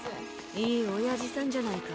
いいおやじさんじゃないか。